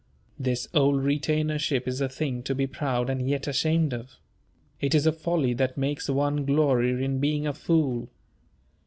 This old retainership is a thing to be proud and yet ashamed of. It is a folly that makes one glory in being a fool.